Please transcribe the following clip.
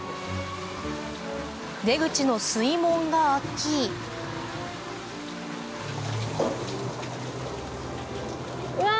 出口の水門が開きうわ！